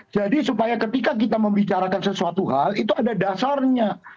jadi supaya ketika kita membicarakan sesuatu hal itu ada dasarnya